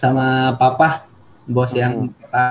oh udah petrus juga